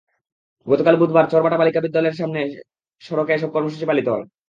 গতকাল বুধবার চরবাটা বালিকা বিদ্যালয়ের সামনের সড়কে এসব কর্মসূচি পালিত হয়।